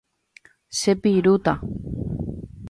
Chepirúta.